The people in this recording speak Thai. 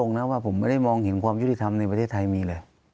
นะว่าผมไม่ได้มองเห็นความยุติธรรมในประเทศไทยมีเลย